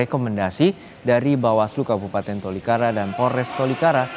rekomendasi dari bawaslu kabupaten tolikara dan polres tolikara